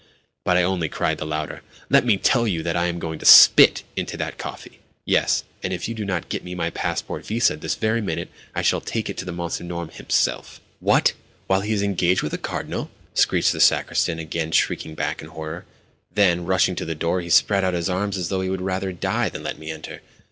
_" But I only cried the louder: "Let me tell you that I am going to spit into that coffee! Yes, and if you do not get me my passport visaed this very minute, I shall take it to Monsignor myself." "What? While he is engaged with a Cardinal?" screeched the sacristan, again shrinking back in horror. Then, rushing to the door, he spread out his arms as though he would rather die than let me enter.